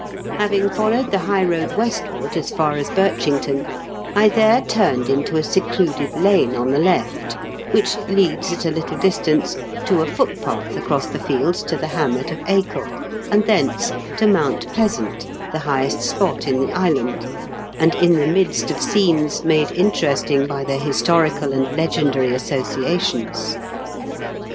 Having followed the high road westward as far as Birchington, I there turned into a secluded lane on the left, which leads at a little distance to a footpath across the fields to the hamlet of Acol, and thence to Mount Pleasant, the highest spot in the island, and in the midst of scenes made interesting by their historical and legendary associations.